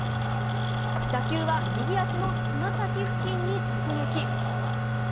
打球は右足のつま先付近に直撃。